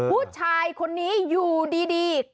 ผู้ชายคนนี้อยู่ดี